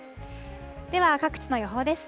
では各地の予報です。